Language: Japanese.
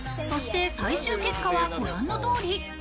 そして最終結果はご覧の通り。